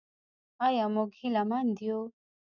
آیا موږ هیله مند یو؟